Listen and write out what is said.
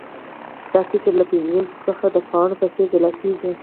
دا قشر له فلز څخه د پاڼو په څیر جلا کیږي.